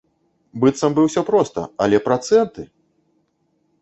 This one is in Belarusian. Быццам бы ўсё проста, але працэнты!